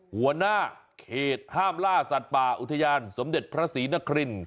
หัวหน้าเขตห้ามล่าสัตว์ป่าอุทยานสมเด็จพระศรีนคริน